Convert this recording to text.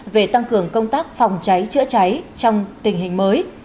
về tăng cường công tác phòng cháy chữa cháy trong tình hình mới